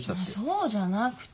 そうじゃなくて。